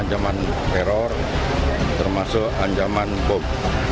ancaman teror termasuk ancaman bom